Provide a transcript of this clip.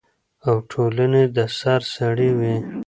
او ټولنې د سر سړی وي،